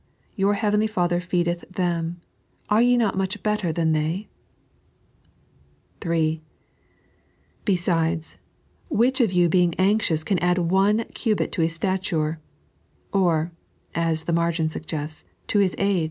Toor heavenly Father feedeth them — are ye not mudi better than they t " (3) Besides, " WJtieh of you by bting aavxifnu eon add one mirit unto his statvre f " or (as the margin suggests) to his a^.